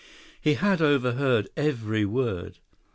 He had overheard every word.